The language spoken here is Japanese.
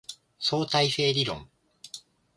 相対性理論